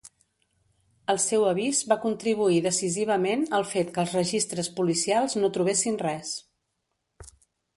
El seu avís va contribuir decisivament al fet que els registres policials no trobessin res.